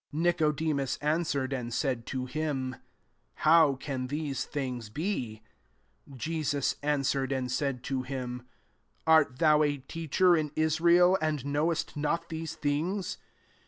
* 9 Nicodemus answered, and said to him, " How can tiiese things be ?" 10 Jesus answered, and said to him, " Art thou a teacher in Israel, imd knowest Hot these things?